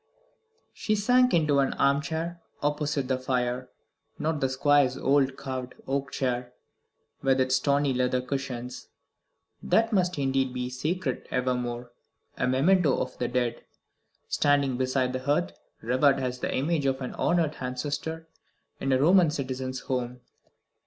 She sank into an arm chair opposite the fire. Not the squire's old carved oak chair, with its tawny leather cushions. That must needs be sacred evermore a memento of the dead, standing beside the hearth, revered as the image of an honoured ancestor in a Roman citizen's home.